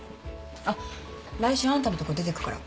あっ来週あんたのとこ出てくから。